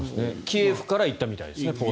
キエフから行ったみたいですね。